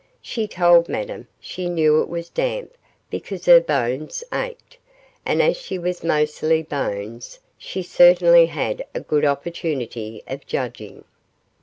She told Madame she knew it was damp because her bones ached, and as she was mostly bones she certainly had a good opportunity of judging.